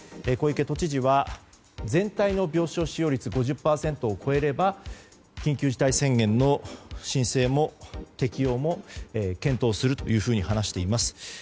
小池都知事は全体の病床使用率５０％を超えれば緊急事態宣言の適用も検討するというふうに話しています。